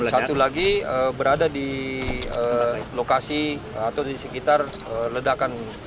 satu lagi berada di lokasi atau di sekitar ledakan